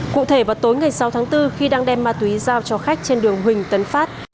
cụ thể vào tối ngày sáu tháng bốn khi đang đem ma túy giao cho khách trên đường huỳnh tấn phát